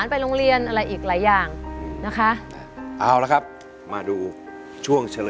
ขอให้ยายช่